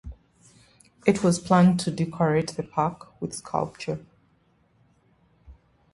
It was planned to decorate the park with sculpture.